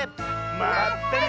まったね！